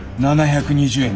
７２０円？